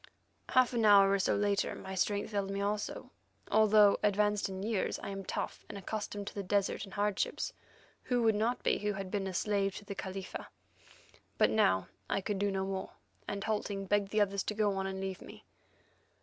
Half an hour or so later my strength failed me also. Although advanced in years, I am tough and accustomed to the desert and hardships; who would not be who had been a slave to the Khalifa? But now I could do no more, and halting, begged the others to go on and leave me.